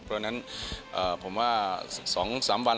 เพราะฉะนั้นผมว่า๒๓วัน